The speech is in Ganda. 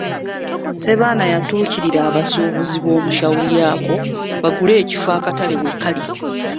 Ssebaana yatuukirira abasuubuzi b’omu Shauriyako bagule ekifo akatale we kaali.